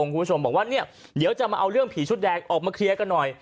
คุณผู้ชมบอกว่าเนี่ยเดี๋ยวจะมาเอาเรื่องผีชุดแดงออกมาเคลียร์กันหน่อย